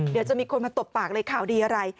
เดี๋ยวจะมีคนมาตบปากเลยข่าวดีอะไร